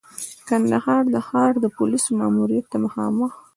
کندهار د ښار د پولیسو ماموریت ته مخامخ.